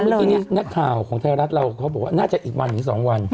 เมื่อกี้นี้นักข่าวของไทยรัฐเราเขาบอกว่าน่าจะอีกวันถึง๒วัน